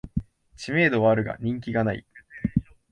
知名度はあるが人気ない